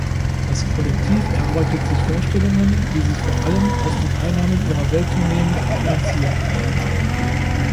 Das Kollektiv erarbeitet Vorstellungen, die sich vor allem aus den Einnahmen ihrer Welttourneen finanzieren.